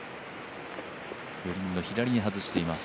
グリーンの左に外しています。